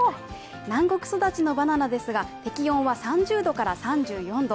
南国育ちのバナナですが、適温は３０度から３４度。